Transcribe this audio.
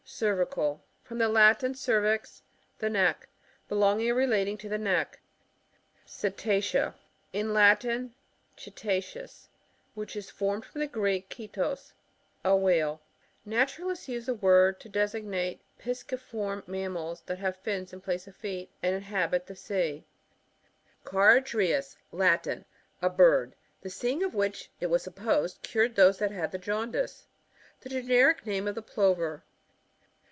CxRViCAi. — From the Latin, cervixt the neck. Belongings or relating to the neck. Cktacra. — In Latin, cetaceva^ which is formed from the Gieck, kttos, a whale. Naturalists use the word to designate pisciform mammals tliat have fins in place of feet, and inhabit the sea. Charaorius. — Latin. (A bird, the seeing of which, it was supposed, cured those that hud the jaundice.) The generic name of the Plover.